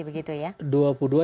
dua puluh dua yang sudah